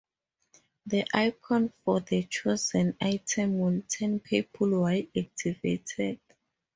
The icon for the chosen item will turn purple while activated.